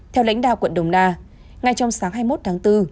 theo lãnh đạo quận đồng nai ngay trong sáng hai mươi một tháng bốn